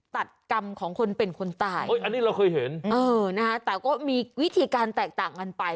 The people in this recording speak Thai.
ตัดกรรมของคนเป็นคนตายอันนี้เราเคยเห็นเออนะฮะแต่ก็มีวิธีการแตกต่างกันไป